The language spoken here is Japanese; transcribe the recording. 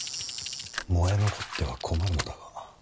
燃え残っては困るのだが。